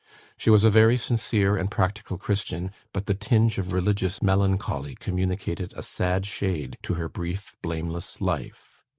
She was a very sincere and practical Christian, but the tinge of religious melancholy communicated a sad shade to her brief blameless life."